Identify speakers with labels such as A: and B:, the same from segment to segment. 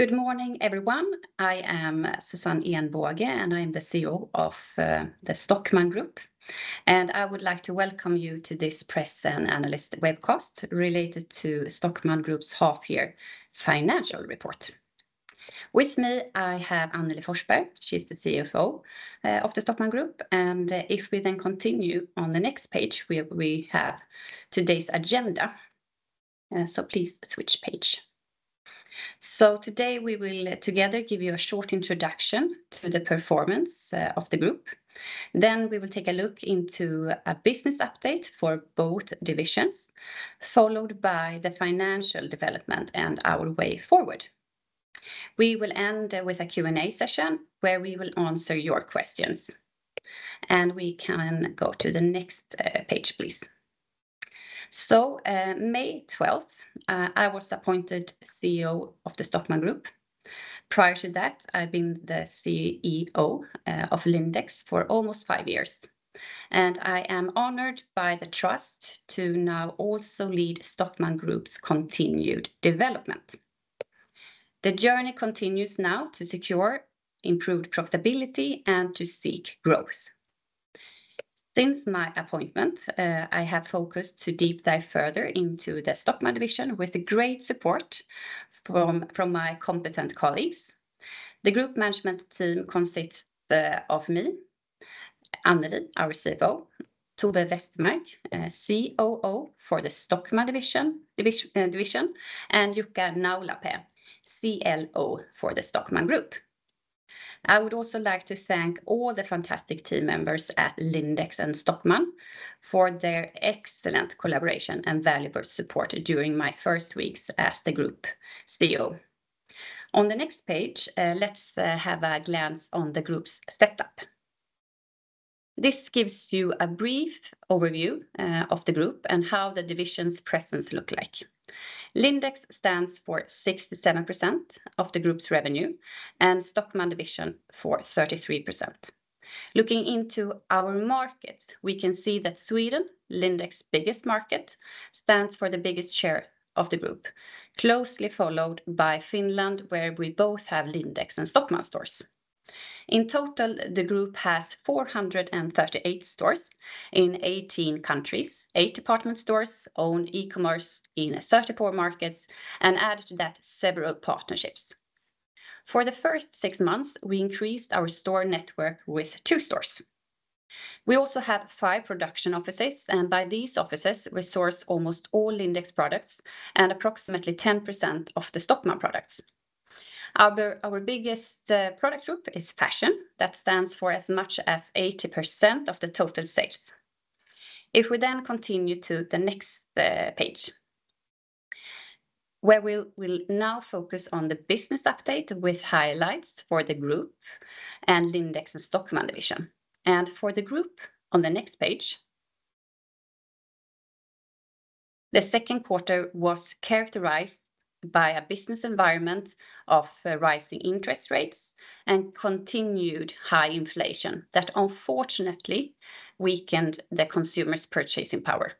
A: Good morning, everyone. I am Susanne Ehnbåge, I am the CEO of the Stockmann Group. I would like to welcome you to this press and analyst webcast related to Stockmann Group's half-year financial report. With me, I have Annelie Forsberg. She's the CFO of the Stockmann Group. If we then continue on the next page, we have today's agenda. Please switch page. Today, we will together give you a short introduction to the performance of the group. We will take a look into a business update for both divisions, followed by the financial development and our way forward. We will end with a Q&A session, where we will answer your questions. We can go to the next page, please. May 12th, I was appointed CEO of the Stockmann Group. Prior to that, I've been the CEO of Lindex for almost five years, and I am honored by the trust to now also lead Stockmann Group's continued development. The journey continues now to secure improved profitability and to seek growth. Since my appointment, I have focused to deep dive further into the Stockmann division with great support from my competent colleagues. The group management team consists of me, Annelie, our CFO, Tove Westermarck, COO for the Stockmann division, and Jukka Naulapää, CLO for the Stockmann Group. I would also like to thank all the fantastic team members at Lindex and Stockmann for their excellent collaboration and valuable support during my first weeks as the group CEO. On the next page, let's have a glance on the group's setup. This gives you a brief overview of the group and how the division's presence look like. Lindex stands for 67% of the group's revenue, and Stockmann division for 33%. Looking into our market, we can see that Sweden, Lindex's biggest market, stands for the biggest share of the group, closely followed by Finland, where we both have Lindex and Stockmann stores. In total, the group has 438 stores in 18 countries, eight department stores, own e-commerce in 34 markets, and added to that, several partnerships. For the first six months, we increased our store network with two stores. We also have five production offices, and by these offices, we source almost all Lindex products and approximately 10% of the Stockmann products. Our biggest product group is fashion. That stands for as much as 80% of the total sales. If we then continue to the next page, where we'll now focus on the business update with highlights for the group and Lindex and Stockmann division. For the group, on the next page. The second quarter was characterized by a business environment of rising interest rates and continued high inflation that unfortunately weakened the consumers' purchasing power.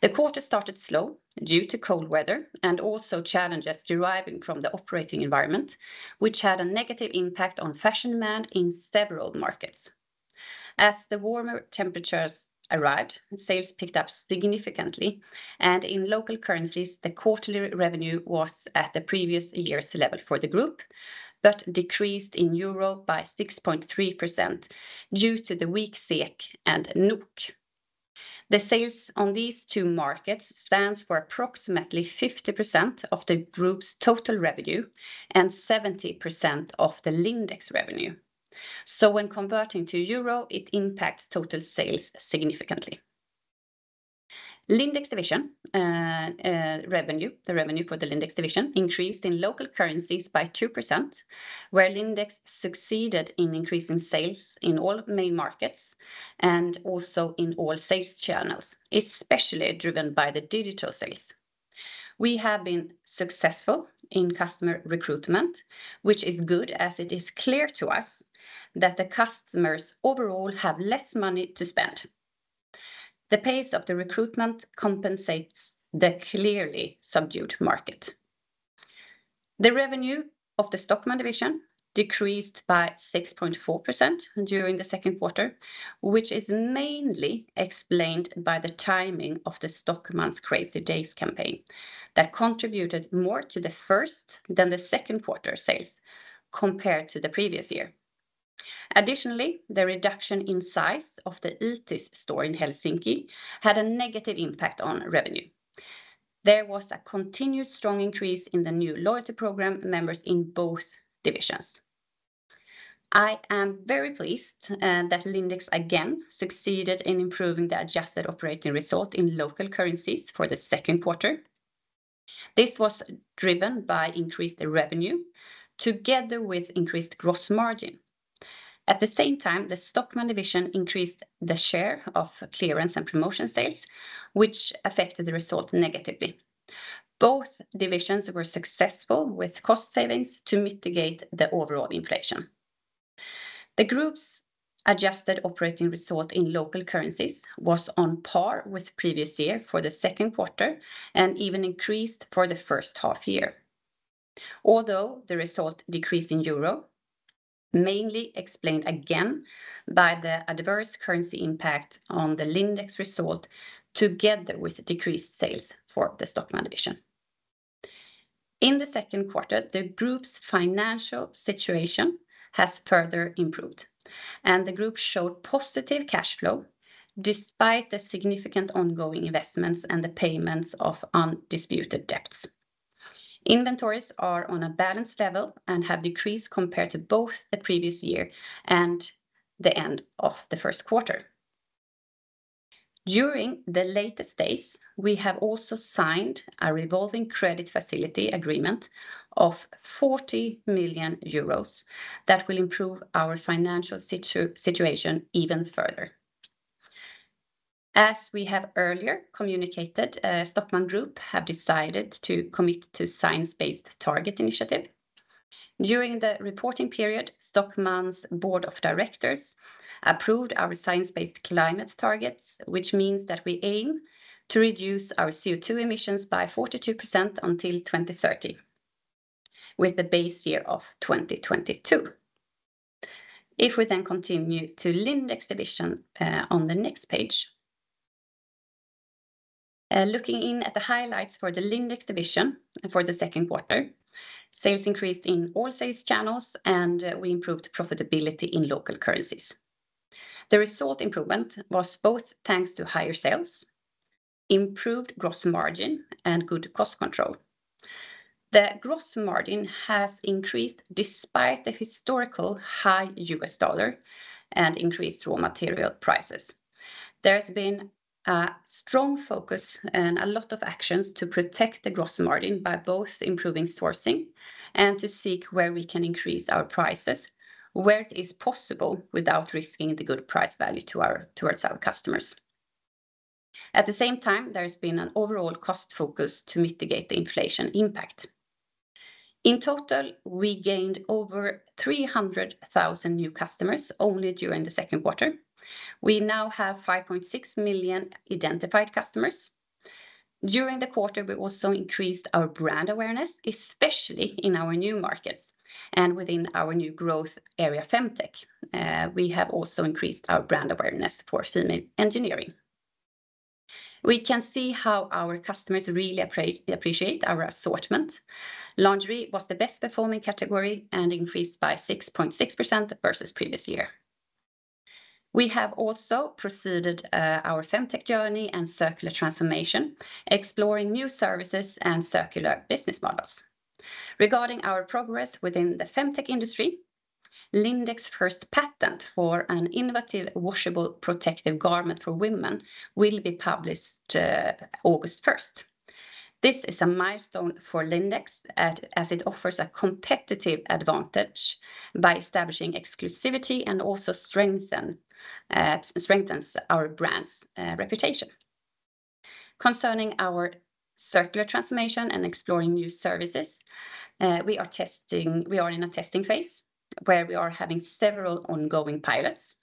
A: The quarter started slow due to cold weather and also challenges deriving from the operating environment, which had a negative impact on fashion demand in several markets. As the warmer temperatures arrived, sales picked up significantly, and in local currencies, the quarterly revenue was at the previous year's level for the group, but decreased in Euro by 6.3% due to the weak SEK and NOK. The sales on these two markets stands for approximately 50% of the group's total revenue and 70% of the Lindex revenue. When converting to euro, it impacts total sales significantly. Lindex division revenue, the revenue for the Lindex division, increased in local currencies by 2%, where Lindex succeeded in increasing sales in all main markets and also in all sales channels, especially driven by the digital sales. We have been successful in customer recruitment, which is good, as it is clear to us that the customers overall have less money to spend. The pace of the recruitment compensates the clearly subdued market. The revenue of the Stockmann division decreased by 6.4% during the second quarter, which is mainly explained by the timing of the Stockmann's Crazy Days campaign that contributed more to the first than the second quarter sales compared to the previous year. Additionally, the reduction in size of the Itis store in Helsinki had a negative impact on revenue. There was a continued strong increase in the new loyalty program members in both divisions. I am very pleased that Lindex again succeeded in improving the adjusted operating result in local currencies for the second quarter. This was driven by increased revenue together with increased gross margin. At the same time, the Stockmann division increased the share of clearance and promotion sales, which affected the result negatively. Both divisions were successful with cost savings to mitigate the overall inflation. The group's adjusted operating result in local currencies was on par with previous year for the second quarter, and even increased for the first half year. Although the result decreased in euro, mainly explained again by the adverse currency impact on the Lindex result, together with decreased sales for the Stockmann division. In the second quarter, the group's financial situation has further improved, and the group showed positive cash flow despite the significant ongoing investments and the payments of undisputed debts. Inventories are on a balanced level and have decreased compared to both the previous year and the end of the first quarter. During the latest days, we have also signed a revolving credit facility agreement of 40 million euros that will improve our financial situation even further. As we have earlier communicated, Stockmann Group have decided to commit to Science Based Targets initiative. During the reporting period, Stockmann's board of directors approved our science-based climate targets, which means that we aim to reduce our CO2 emissions by 42% until 2030, with the base year of 2022. Continue to Lindex division on the next page. Looking in at the highlights for the Lindex division for the second quarter, sales increased in all sales channels, and we improved profitability in local currencies. The result improvement was both thanks to higher sales, improved gross margin, and good cost control. The gross margin has increased despite the historical high U.S. dollar and increased raw material prices. There's been a strong focus and a lot of actions to protect the gross margin by both improving sourcing and to seek where we can increase our prices, where it is possible without risking the good price value towards our customers. At the same time, there's been an overall cost focus to mitigate the inflation impact. In total, we gained over 300,000 new customers only during the second quarter. We now have 5.6 million identified customers. During the quarter, we also increased our brand awareness, especially in our new markets and within our new growth area, FemTech. We have also increased our brand awareness for Female Engineering. We can see how our customers really appreciate our assortment. Lingerie was the best performing category and increased by 6.6% versus previous year. We have also proceeded our FemTech journey and circular transformation, exploring new services and circular business models. Regarding our progress within the FemTech industry, Lindex's first patent for an innovative, washable, protective garment for women will be published August 1st. This is a milestone for Lindex, as it offers a competitive advantage by establishing exclusivity and also strengthens our brand's reputation. Concerning our circular transformation and exploring new services, we are in a testing phase, where we are having several ongoing pilots.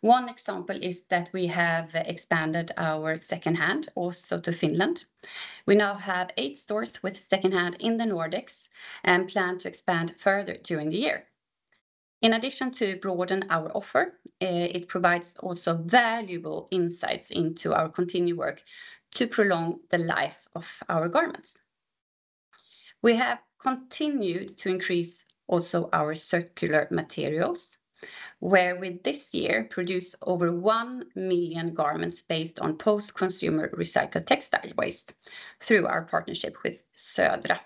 A: One example is that we have expanded our second-hand also to Finland. We now have eight stores with second-hand in the Nordics and plan to expand further during the year. In addition to broaden our offer, it provides also valuable insights into our continued work to prolong the life of our garments. We have continued to increase also our circular materials, where with this year, produced over 1 million garments based on post-consumer recycled textile waste through our partnership with Södra.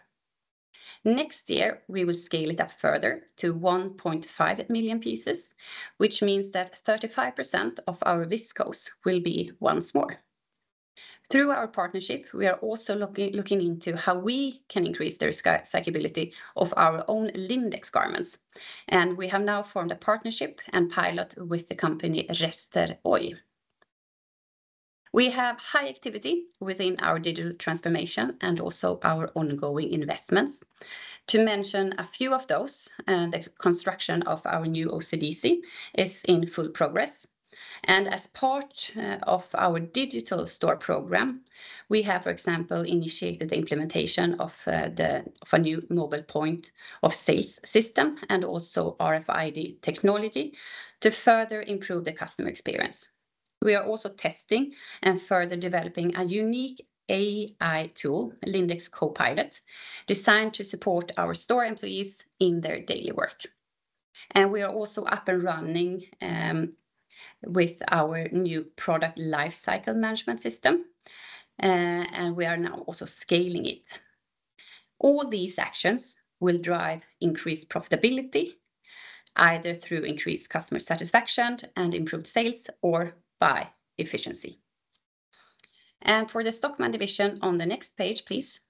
A: Next year, we will scale it up further to 1.5 million pieces, which means that 35% of our viscose will be OnceMore. Through our partnership, we are also looking into how we can increase the recyclability of our own Lindex garments, and we have now formed a partnership and pilot with the company, Rester Oy. We have high activity within our digital transformation and also our ongoing investments. To mention a few of those, and the construction of our new OCDC is in full progress, and as part of our digital store program, we have, for example, initiated the implementation of a new mobile point of sale system and also RFID technology to further improve the customer experience. We are also testing and further developing a unique AI tool, Lindex Copilot, designed to support our store employees in their daily work. We are also up and running with our new product lifecycle management system, and we are now also scaling it. All these actions will drive increased profitability, either through increased customer satisfaction and improved sales or by efficiency. For the Stockmann division, on the next page, please.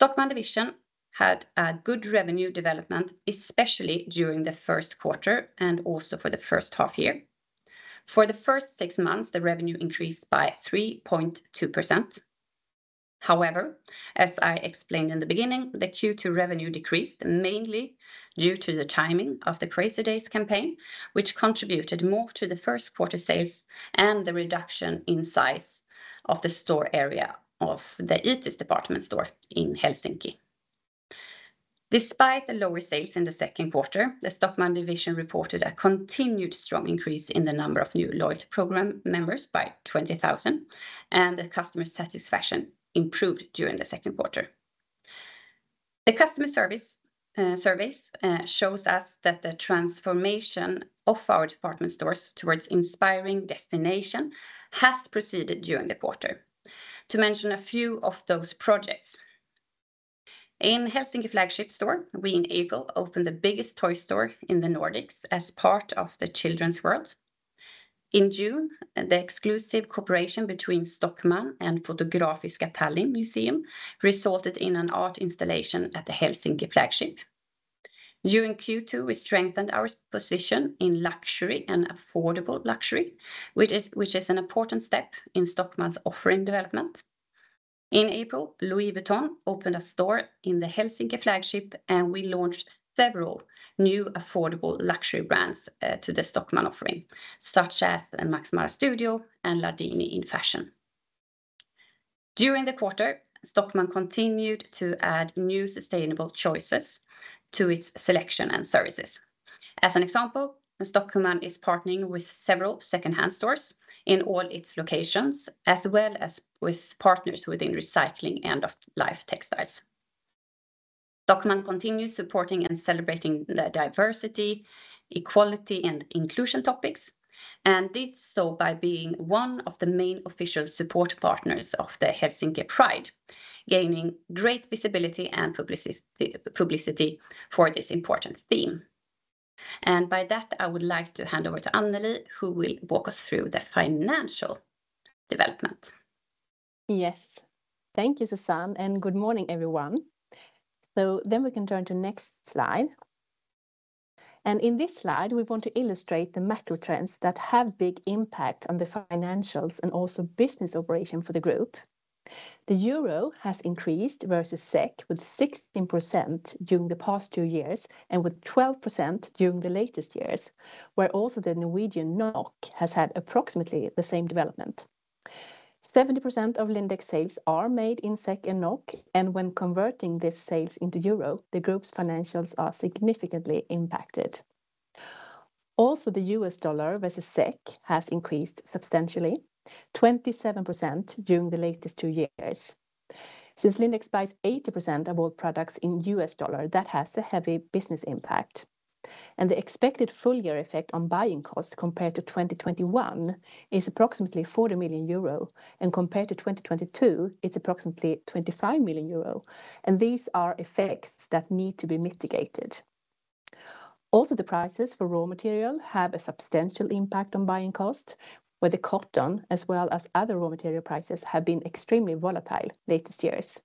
A: Stockmann division had a good revenue development, especially during the first quarter and also for the first half year. For the first six months, the revenue increased by 3.2%. As I explained in the beginning, the Q2 revenue decreased mainly due to the timing of the Crazy Days campaign, which contributed more to the first quarter sales and the reduction in size of the store area of the Itis department store in Helsinki. Despite the lower sales in the second quarter, the Stockmann division reported a continued strong increase in the number of new loyalty program members by 20,000, and the customer satisfaction improved during the second quarter. The customer service shows us that the transformation of our department stores towards inspiring destination has proceeded during the quarter. To mention a few of those projects, in Helsinki flagship store, we in Eagle opened the biggest toy store in the Nordics as part of the children's world. In June, the exclusive cooperation between Stockmann and Fotografiska Tallinn Museum resulted in an art installation at the Helsinki flagship. During Q2, we strengthened our position in luxury and affordable luxury, which is an important step in Stockmann's offering development. In April, Louis Vuitton opened a store in the Helsinki flagship, and we launched several new affordable luxury brands to the Stockmann offering, such as the Max Mara Studio and Lardini in fashion. During the quarter, Stockmann continued to add new sustainable choices to its selection and services. As an example, Stockmann is partnering with several secondhand stores in all its locations, as well as with partners within recycling and end-of-life textiles. Stockmann continues supporting and celebrating the diversity, equality, and inclusion topics, and did so by being one of the main official support partners of the Helsinki Pride, gaining great visibility and publicity for this important theme. By that, I would like to hand over to Annelie, who will walk us through the financial development.
B: Yes. Thank you, Susanne, and good morning, everyone. We can turn to next slide. In this slide, we want to illustrate the macro trends that have big impact on the financials and also business operation for the group. The euro has increased versus SEK with 16% during the past two years, and with 12% during the latest years, where also the Norwegian NOK has had approximately the same development. 70% of Lindex sales are made in SEK and NOK, and when converting these sales into euro, the group's financials are significantly impacted. Also, the U.S. dollar versus SEK has increased substantially, 27% during the latest two years. Since Lindex buys 80% of all products in U.S. dollar, that has a heavy business impact, and the expected full year effect on buying costs compared to 2021 is approximately 40 million euro, and compared to 2022, it's approximately 25 million euro. These are effects that need to be mitigated. Also, the prices for raw material have a substantial impact on buying cost, where the cotton, as well as other raw material prices, have been extremely volatile latest years.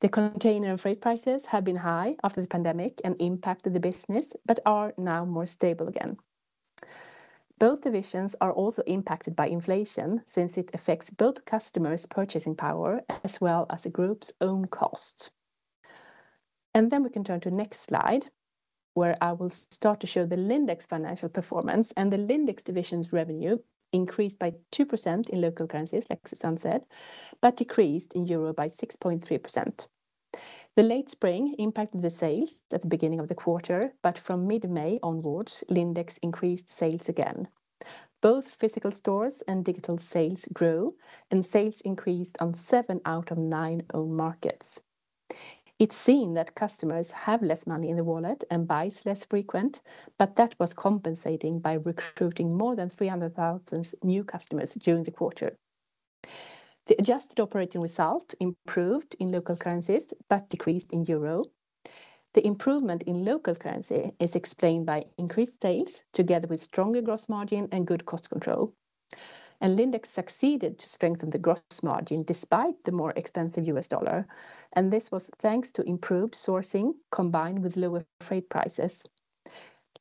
B: The container and freight prices have been high after the pandemic and impacted the business, but are now more stable again. Both divisions are also impacted by inflation, since it affects both customers' purchasing power as well as the group's own costs. We can turn to next slide, where I will start to show the Lindex financial performance and the Lindex division's revenue increased by 2% in local currencies, like Susanne said, but decreased in euro by 6.3%. The late spring impacted the sales at the beginning of the quarter, but from mid-May onwards, Lindex increased sales again. Both physical stores and digital sales grew, and sales increased on seven out of nine own markets. It's seen that customers have less money in their wallet and buys less frequent, but that was compensating by recruiting more than 300,000 new customers during the quarter. The adjusted operating result improved in local currencies but decreased in euro. The improvement in local currency is explained by increased sales, together with stronger gross margin and good cost control. Lindex succeeded to strengthen the gross margin despite the more expensive U.S. dollar, and this was thanks to improved sourcing, combined with lower freight prices.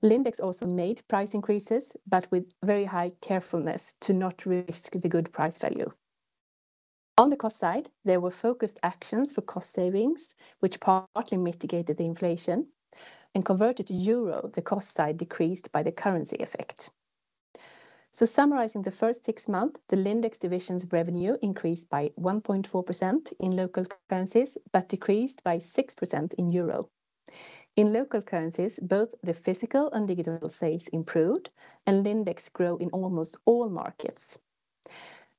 B: Lindex also made price increases, but with very high carefulness to not risk the good price value. On the cost side, there were focused actions for cost savings, which partly mitigated the inflation and converted to euro, the cost side decreased by the currency effect. Summarizing the first six months, the Lindex division's revenue increased by 1.4% in local currencies but decreased by 6% in euro. In local currencies, both the physical and digital sales improved, and Lindex grow in almost all markets.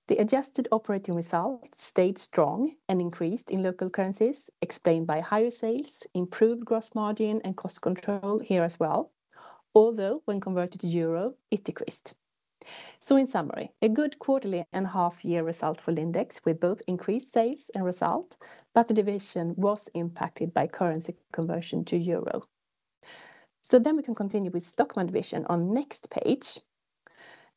B: The adjusted operating result stayed strong and increased in local currencies, explained by higher sales, improved gross margin, and cost control here as well, although when converted to euro, it decreased. In summary, a good quarterly and half year result for Lindex, with both increased sales and result, but the division was impacted by currency conversion to euro. We can continue with Stockmann division on next page.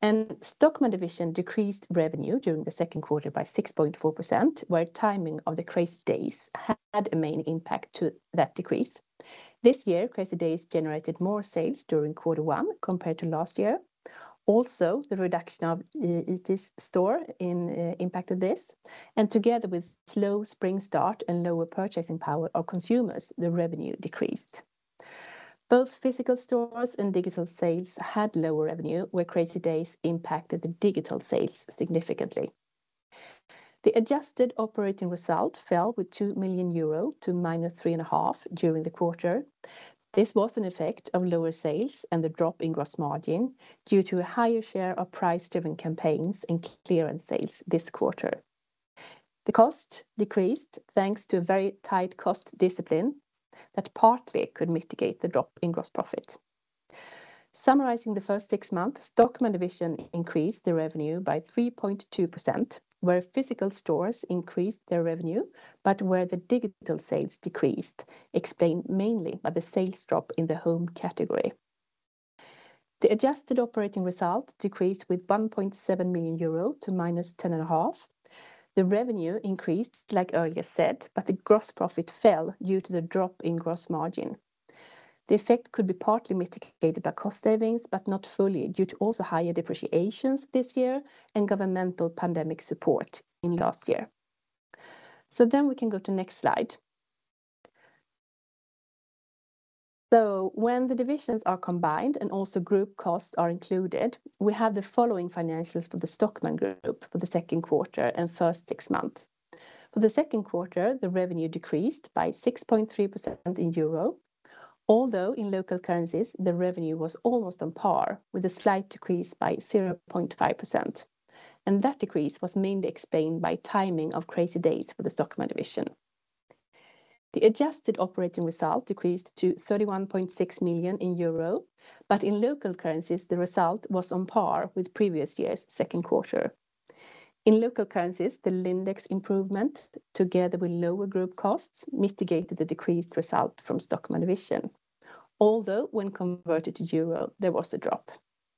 B: Stockmann division decreased revenue during the second quarter by 6.4%, where timing of the Crazy Days had a main impact to that decrease. This year, Crazy Days generated more sales during quarter one compared to last year. Also, the reduction of Itis store in impacted this, and together with slow spring start and lower purchasing power of consumers, the revenue decreased. Both physical stores and digital sales had lower revenue, where Crazy Days impacted the digital sales significantly. The adjusted operating result fell with 2 million euro to -3.5 million during the quarter. This was an effect of lower sales and the drop in gross margin due to a higher share of price-driven campaigns and clearance sales this quarter. The cost decreased thanks to a very tight cost discipline that partly could mitigate the drop in gross profit. Summarizing the first six months, Stockmann division increased the revenue by 3.2%, where physical stores increased their revenue, where the digital sales decreased, explained mainly by the sales drop in the home category. The adjusted operating result decreased with 1.7 million euro to -10.5 million. The revenue increased, like earlier said, the gross profit fell due to the drop in gross margin. The effect could be partly mitigated by cost savings, not fully, due to also higher depreciations this year and governmental pandemic support in last year. We can go to next slide. When the divisions are combined and also group costs are included, we have the following financials for the Stockmann Group for the second quarter and first six months. For the second quarter, the revenue decreased by 6.3% in euro, although in local currencies, the revenue was almost on par with a slight decrease by 0.5%, That decrease was mainly explained by timing of Crazy Days for the Stockmann division. The adjusted operating result decreased to 31.6 million euro, In local currencies, the result was on par with previous year's second quarter. In local currencies, the Lindex improvement, together with lower group costs, mitigated the decreased result from Stockmann division, When converted to euro, there was a drop.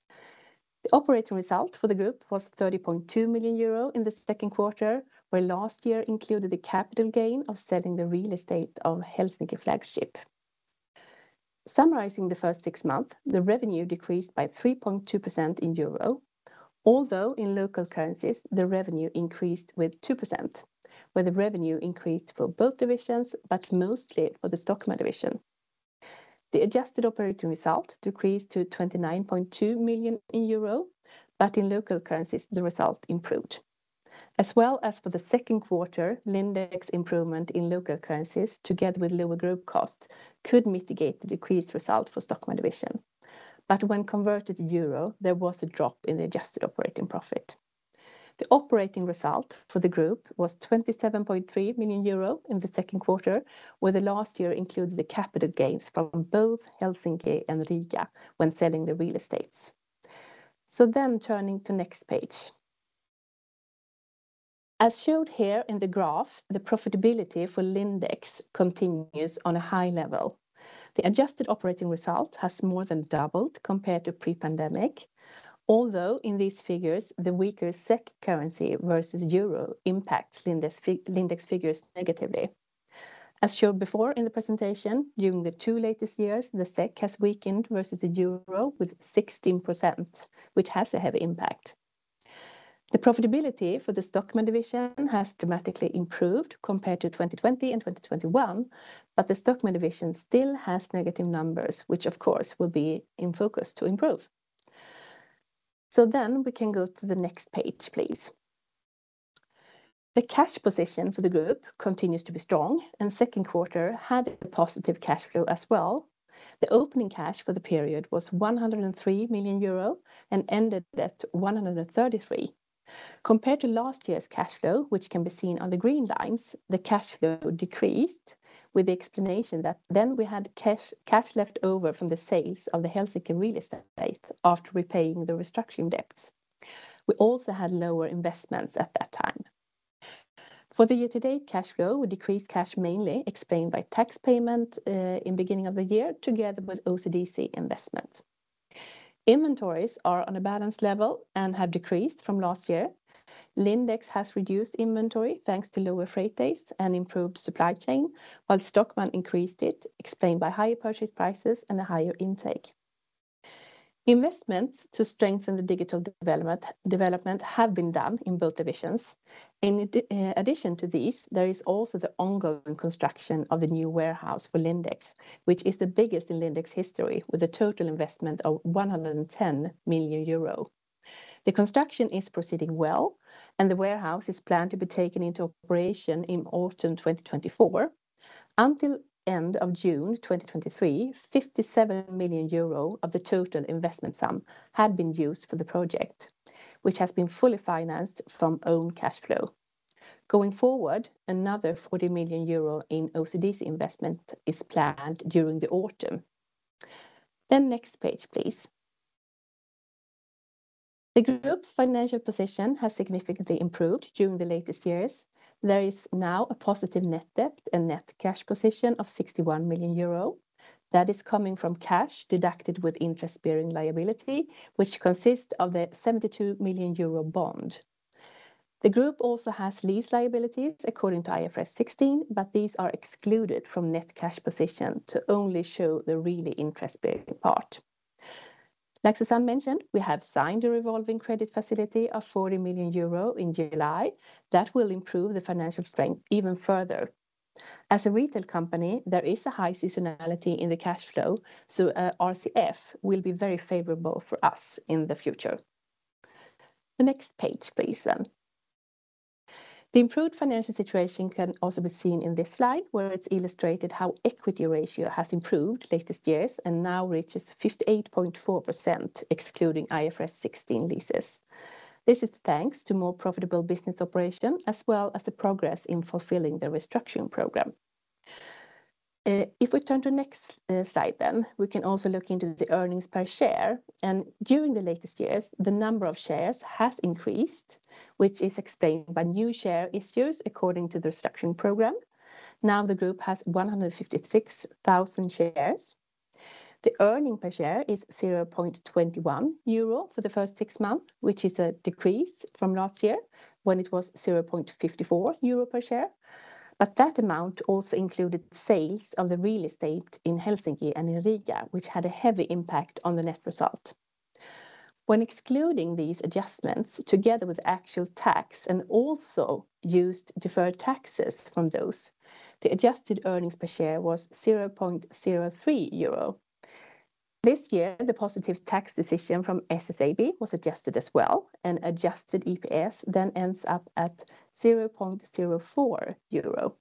B: The operating result for the group was 30.2 million euro in the second quarter, where last year included a capital gain of selling the real estate of Helsinki flagship. Summarizing the first six months, the revenue decreased by 3.2% in euro, although in local currencies, the revenue increased with 2%, where the revenue increased for both divisions, but mostly for the Stockmann division. The adjusted operating result decreased to 29.2 million euro, but in local currencies, the result improved. As well as for the second quarter, Lindex improvement in local currencies, together with lower group cost, could mitigate the decreased result for Stockmann division. When converted to euro, there was a drop in the adjusted operating profit. The operating result for the group was 27.3 million euro in the second quarter, where the last year included the capital gains from both Helsinki and Riga when selling the real estates. Turning to next page. As showed here in the graph, the profitability for Lindex continues on a high level. The adjusted operating result has more than doubled compared to pre-pandemic, although in these figures, the weaker SEK currency versus euro impacts Lindex figures negatively. As showed before in the presentation, during the 2 latest years, the SEK has weakened versus the euro with 16%, which has a heavy impact. The profitability for the Stockmann division has dramatically improved compared to 2020 and 2021, but the Stockmann division still has negative numbers, which, of course, will be in focus to improve. We can go to the next page, please. The cash position for the group continues to be strong, second quarter had a positive cash flow as well. The opening cash for the period was 103 million euro and ended at 133 million. Compared to last year's cash flow, which can be seen on the green lines, the cash flow decreased, with the explanation that we had cash left over from the sales of the Helsinki real estate after repaying the restructuring debts. We also had lower investments at that time. For the year-to-date cash flow, we decreased cash, mainly explained by tax payment in beginning of the year, together with OCDC investments. Inventories are on a balanced level and have decreased from last year. Lindex has reduced inventory thanks to lower freight days and improved supply chain, while Stockmann increased it, explained by higher purchase prices and a higher intake. Investments to strengthen the digital development have been done in both divisions. In addition to these, there is also the ongoing construction of the new warehouse for Lindex, which is the biggest in Lindex history, with a total investment of 110 million euro. The construction is proceeding well, and the warehouse is planned to be taken into operation in autumn 2024. Until end of June 2023, 57 million euro of the total investment sum had been used for the project, which has been fully financed from own cash flow. Going forward, another 40 million euro in OCDC investment is planned during the autumn. Next page, please. The group's financial position has significantly improved during the latest years. There is now a positive net debt and net cash position of 61 million euro. That is coming from cash deducted with interest-bearing liability, which consists of the 72 million euro bond. The group also has lease liabilities, according to IFRS 16, but these are excluded from net cash position to only show the really interest-bearing part. Like Susanne mentioned, we have signed a revolving credit facility of 40 million euro in July. That will improve the financial strength even further. As a retail company, there is a high seasonality in the cash flow, so RCF will be very favorable for us in the future. The next page, please. The improved financial situation can also be seen in this slide, where it's illustrated how equity ratio has improved latest years and now reaches 58.4%, excluding IFRS 16 leases. This is thanks to more profitable business operation, as well as the progress in fulfilling the restructuring program. If we turn to next slide, then, we can also look into the earnings per share, and during the latest years, the number of shares has increased, which is explained by new share issues according to the restructuring program. Now, the group has 156,000 shares. The earnings per share is 0.21 euro for the first six months, which is a decrease from last year, when it was 0.54 euro per share, but that amount also included sales of the real estate in Helsinki and in Riga, which had a heavy impact on the net result. When excluding these adjustments, together with actual tax and also used deferred taxes from those, the adjusted earnings per share was 0.03 euro. This year, the positive tax decision from SSAB was adjusted as well, and adjusted EPS then ends up at 0.04 euro.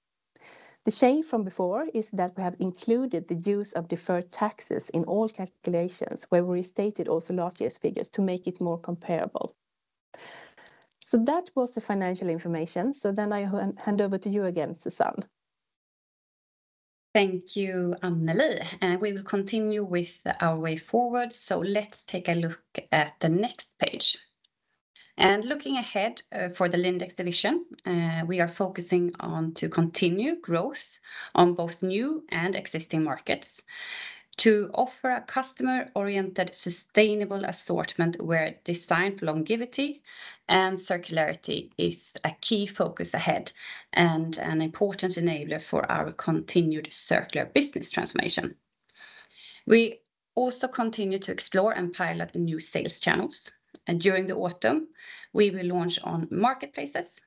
B: The change from before is that we have included the use of deferred taxes in all calculations, where we restated also last year's figures to make it more comparable. That was the financial information. I hand over to you again, Susanne.
A: Thank you, Annelie, and we will continue with our way forward, so let's take a look at the next page. Looking ahead, for the Lindex division, we are focusing on to continue growth on both new and existing markets, to offer a customer-oriented, sustainable assortment, where designed longevity and circularity is a key focus ahead and an important enabler for our continued circular business transformation. We also continue to explore and pilot new sales channels, and during the autumn, we will launch on marketplaces.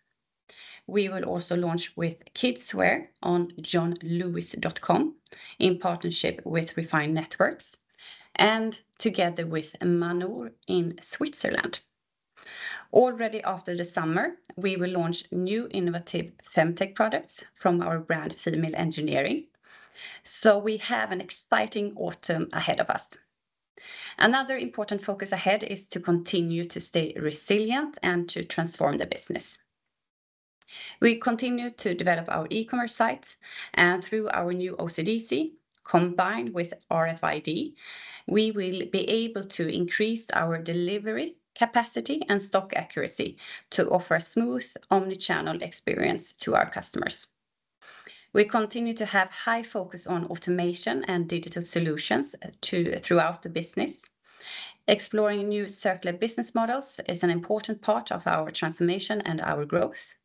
A: We will also launch with kidswear on JohnLewis.com, in partnership with Refine Networks, and together with Manor in Switzerland. Already after the summer, we will launch new innovative FemTech products from our brand, Female Engineering, so we have an exciting autumn ahead of us. Another important focus ahead is to continue to stay resilient and to transform the business. We continue to develop our e-commerce sites, and through our new OCDC, combined with RFID, we will be able to increase our delivery capacity and stock accuracy to offer a smooth, omni-channel experience to our customers. We continue to have high focus on automation and digital solutions throughout the business. Exploring new circular business models is an important part of our transformation and our growth,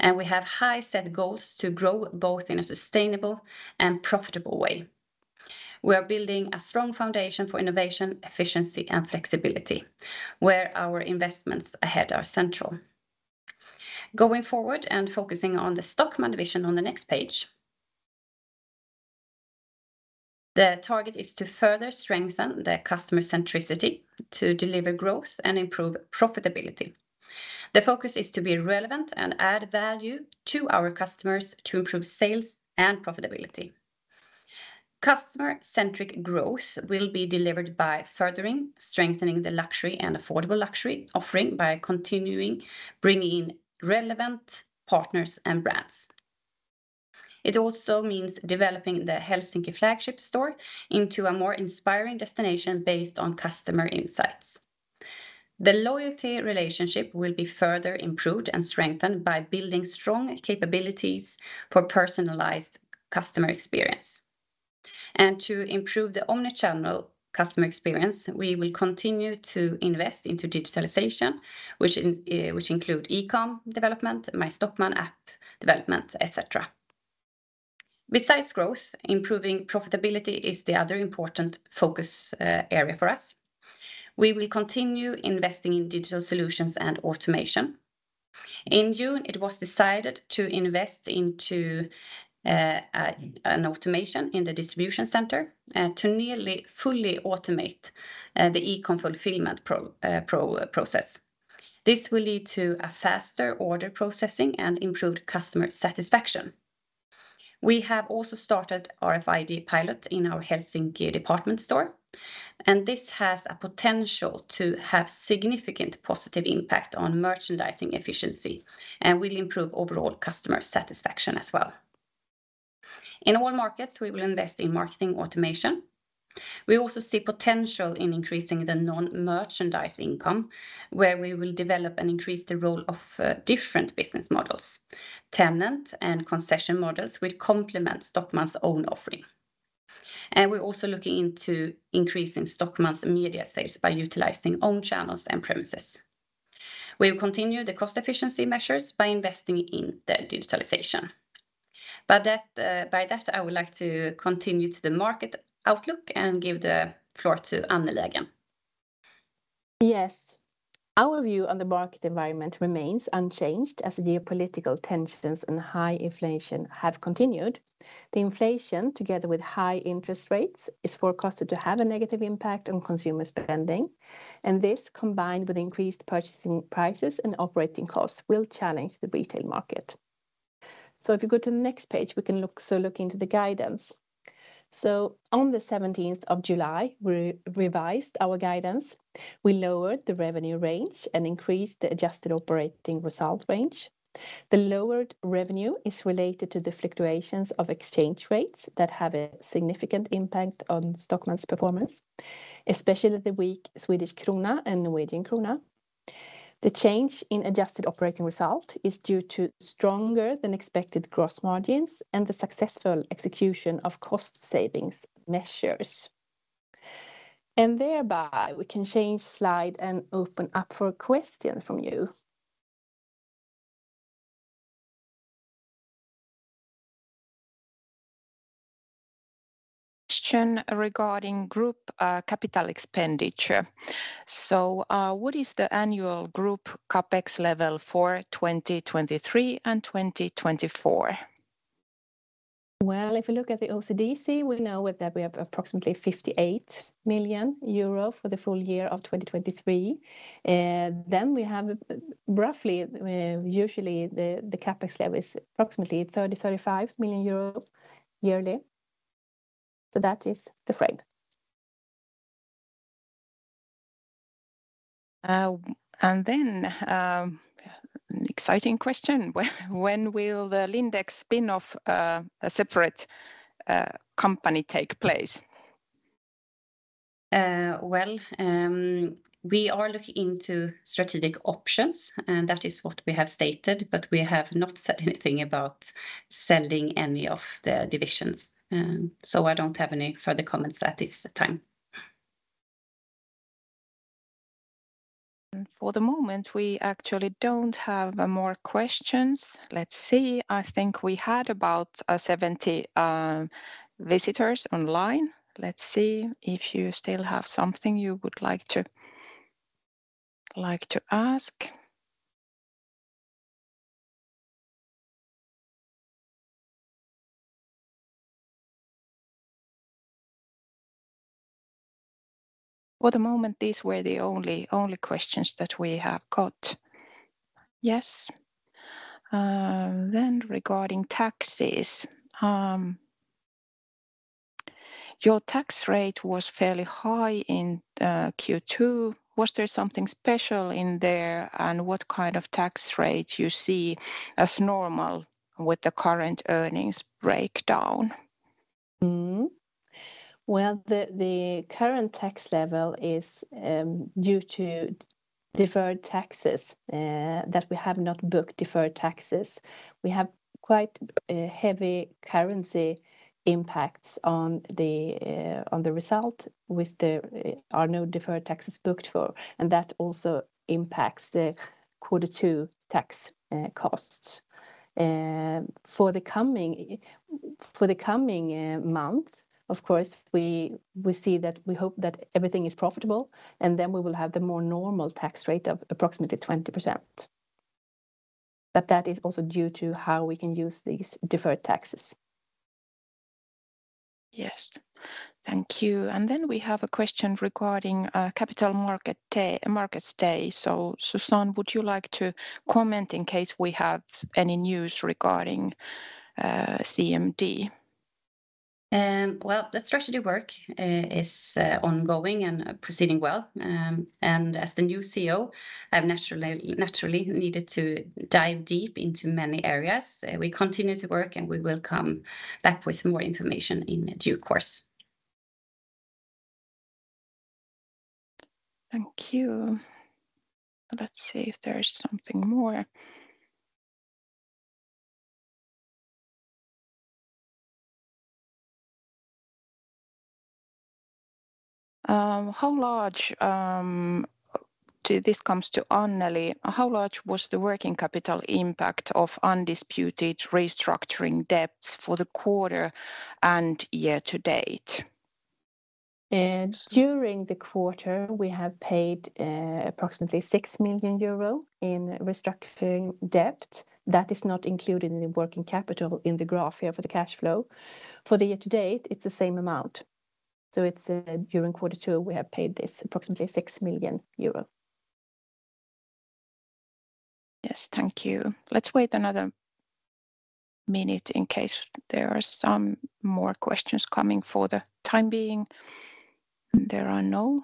A: and we have high set goals to grow, both in a sustainable and profitable way. We are building a strong foundation for innovation, efficiency, and flexibility, where our investments ahead are central. Going forward and focusing on the Stockmann division on the next page. The target is to further strengthen the customer centricity to deliver growth and improve profitability. The focus is to be relevant and add value to our customers to improve sales and profitability. Customer-centric growth will be delivered by furthering, strengthening the luxury and affordable luxury offering, by continuing bringing in relevant partners and brands. It also means developing the Helsinki flagship store into a more inspiring destination based on customer insights. The loyalty relationship will be further improved and strengthened by building strong capabilities for personalized customer experience. To improve the omni-channel customer experience, we will continue to invest into digitalization, which include eComm development, MyStockmann app development, et cetera. Besides growth, improving profitability is the other important focus area for us. We will continue investing in digital solutions and automation. In June, it was decided to invest into an automation in the distribution center to nearly fully automate the eComm fulfillment process. This will lead to a faster order processing and improved customer satisfaction. We have also started RFID pilot in our Helsinki department store. This has a potential to have significant positive impact on merchandising efficiency and will improve overall customer satisfaction as well. In all markets, we will invest in marketing automation. We also see potential in increasing the non-merchandise income, where we will develop and increase the role of different business models. Tenant and concession models will complement Stockmann's own offering. We're also looking into increasing Stockmann's media sales by utilizing own channels and premises. We will continue the cost efficiency measures by investing in the digitalization. That, by that, I would like to continue to the market outlook and give the floor to Annelie again.
B: Yes, our view on the market environment remains unchanged, as geopolitical tensions and high inflation have continued. The inflation, together with high interest rates, is forecasted to have a negative impact on consumer spending, and this, combined with increased purchasing prices and operating costs, will challenge the retail market. If you go to the next page, we can look into the guidance. On the 17th of July, we revised our guidance. We lowered the revenue range and increased the adjusted operating result range. The lowered revenue is related to the fluctuations of exchange rates that have a significant impact on Stockmann's performance, especially the weak Swedish krona and Norwegian krona. The change in adjusted operating result is due to stronger-than-expected gross margins and the successful execution of cost savings measures. Thereby, we can change slide and open up for a question from you.
C: Question regarding group, capital expenditure. What is the annual group CapEx level for 2023 and 2024?
B: Well, if you look at the OCDC, we know that we have approximately 58 million euro for the full year of 2023. We have roughly, usually the CapEx level is approximately 30 million-35 million euro yearly. That is the frame.
C: an exciting question: When will the Lindex spin-off, separate, company take place?
A: Well, we are looking into strategic options, and that is what we have stated, but we have not said anything about selling any of the divisions. I don't have any further comments at this time.
C: For the moment, we actually don't have more questions. Let's see. I think we had about 70 visitors online. Let's see if you still have something you would like to ask. For the moment, these were the only questions that we have got. Yes. Regarding taxes, your tax rate was fairly high in Q2. Was there something special in there, and what kind of tax rate you see as normal with the current earnings breakdown?
B: Well, the current tax level is due to deferred taxes that we have not booked deferred taxes. We have quite heavy currency impacts on the result with the are no deferred taxes booked for, and that also impacts the quarter two tax costs. For the coming month, of course, we hope that everything is profitable, and then we will have the more normal tax rate of approximately 20%. That is also due to how we can use these deferred taxes.
C: Yes. Thank you. Then we have a question regarding Capital Markets Day. Susanne, would you like to comment in case we have any news regarding CMD?
A: Well, the strategy work is ongoing and proceeding well. As the new CEO, I've naturally needed to dive deep into many areas. We continue to work, we will come back with more information in due course.
C: Thank you. Let's see if there is something more. This comes to Annelie. How large was the working capital impact of undisputed restructuring debts for the quarter and year to date?
B: During the quarter, we have paid, approximately 6 million euro in restructuring debt. That is not included in the working capital in the graph here for the cash flow. For the year to date, it's the same amount. It's, during quarter two, we have paid this, approximately 6 million euro.
C: Yes. Thank you. Let's wait another minute in case there are some more questions coming. For the time being, there are no.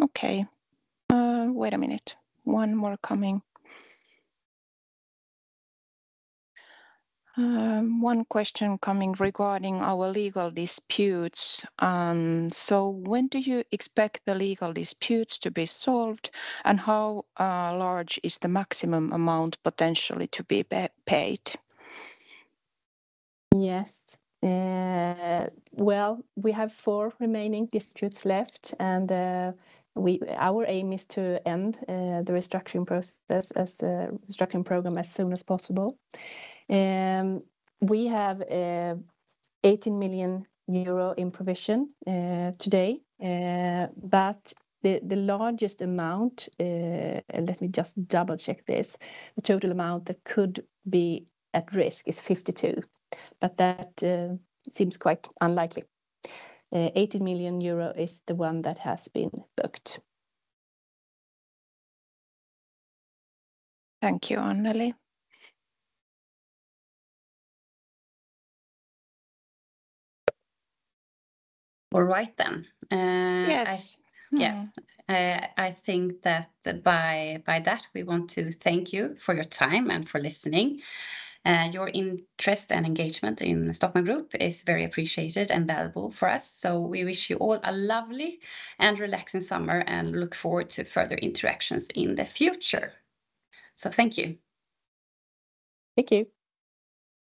C: Okay, wait a minute. One more coming. One question coming regarding our legal disputes. When do you expect the legal disputes to be solved, and how large is the maximum amount potentially to be paid?
B: Yes. Well, we have four remaining disputes left, and our aim is to end the restructuring process, as restructuring program, as soon as possible. We have 18 million euro in provision today, but the largest amount, let me just double-check this. The total amount that could be at risk is 52, but that seems quite unlikely. 18 million euro is the one that has been booked.
C: Thank you, Annelie.
A: All right, then.
C: Yes.
A: I think that by that, we want to thank you for your time and for listening. Your interest and engagement in Stockmann Group is very appreciated and valuable for us, so we wish you all a lovely and relaxing summer and look forward to further interactions in the future. Thank you.
C: Thank you.